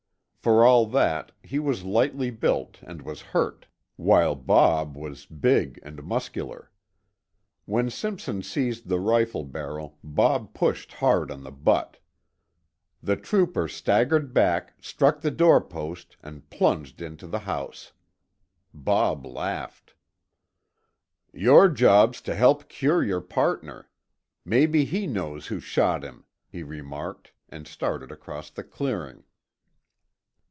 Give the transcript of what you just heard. For all that, he was lightly built and was hurt, while Bob was big and muscular. When Simpson seized the rifle barrel Bob pushed hard on the butt. The trooper staggered back, struck the doorpost, and plunged into the house. Bob laughed. "Your job's to help cure your partner. Maybe he knows who shot him," he remarked, and started across the clearing.